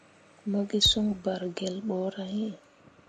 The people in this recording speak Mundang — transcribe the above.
Mo gi soŋ bargelle ɓorah iŋ.